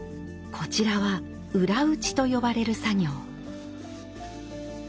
こちらは裏打ちと呼ばれる作業。